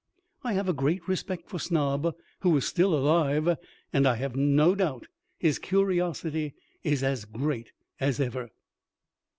I have a great respect for Snob, who is still alive, and I have no doubt his curiosity is as great as ever.